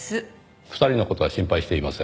２人の事は心配していません。